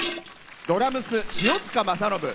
ドラムス塩塚正信。